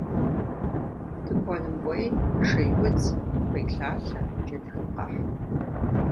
Тыкуэным кӏуэи шейудз, кхъуейлъалъэ, джэдгын къэхь.